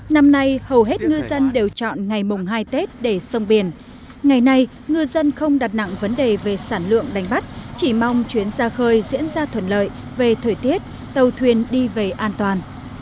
năm nay hầu hết ngư dân đều chọn ngày mùng hai tết để sông biển ngày nay ngư dân không đặt nặng vấn đề về sản lượng đánh bắt chỉ mong chuyến ra khơi diễn ra thuận lợi về thời tiết tàu thuyền đi về an toàn